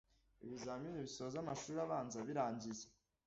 Ibizamini bisoza amashuri abanza birangiye